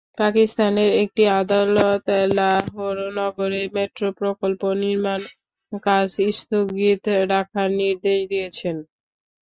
পাকিস্তানের একটি আদালত লাহোর নগরে মেট্রো প্রকল্প নির্মাণকাজ স্থগিত রাখার নির্দেশ দিয়েছেন।